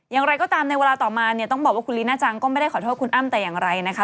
อย่างไรก็ตามในเวลาต่อมาเนี่ยต้องบอกว่าคุณลีน่าจังก็ไม่ได้ขอโทษคุณอ้ำแต่อย่างไรนะคะ